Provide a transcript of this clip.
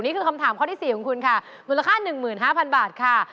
นี่คือคำถามข้อที่๔ของคุณค่ะมูลค่า๑๕๐๐๐บาทค่ะ